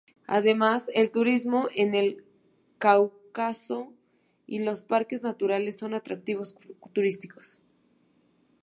Además, el turismo en el Cáucaso, y los parques naturales son atractivos turísticos.